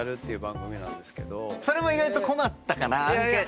それも意外と困ったかな？